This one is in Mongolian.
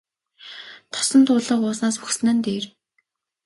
Тосон туулга ууснаас үхсэн нь дээр.